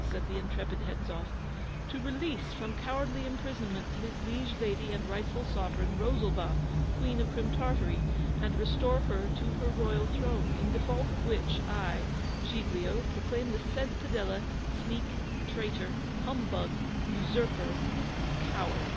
said the intrepid Hedzoff. ' To release from cowardly imprisonment his liege lady and rightful Sovereign, ROSALBA, Queen of Crim Tartary, and restore her to her royal throne: in default of which, I, Giglio, proclaim the said Padella sneak, traitor, humbug, usurper, and coward.